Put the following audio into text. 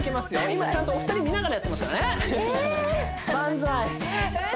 今ちゃんとお二人見ながらやってますからねバンザイ